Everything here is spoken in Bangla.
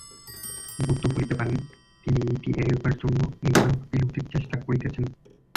বৌদ্ধ বলিতে পারেন, তিনি এইটি এড়াইবার জন্যই নির্বাণ বা বিলুপ্তির চেষ্টা করিতেছেন।